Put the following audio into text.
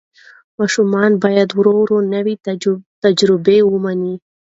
ماشوم باید ورو ورو نوې تجربې ومني.